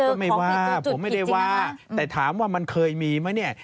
ก็ไม่ว่าผมไม่ได้ว่าแต่ถามว่ามันเคยมีไหมเนี่ย